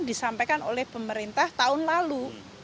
disampaikan oleh pemerintah tahun lalu dua ribu tujuh belas